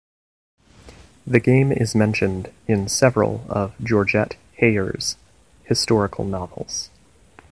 The game is mentioned in several of Georgette Heyer's historical novels.